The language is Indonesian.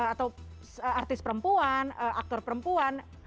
aktris perempuan aktor perempuan